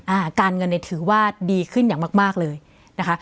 อ่าการเงินเนี่ยถือว่าดีขึ้นอย่างมากมากเลยนะคะ